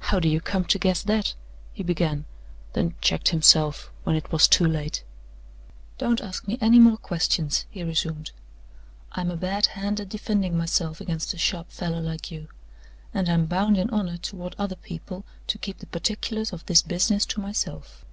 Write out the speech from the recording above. "How do you come to guess that?" he began, then checked himself, when it was too late. "Don't ask me any more questions," he resumed. "I'm a bad hand at defending myself against a sharp fellow like you; and I'm bound in honor toward other people to keep the particulars of this business to myself."